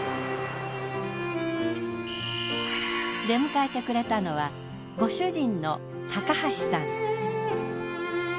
出迎えてくれたのはご主人の高橋さん。